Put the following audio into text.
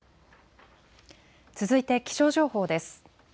続いて気象情報です。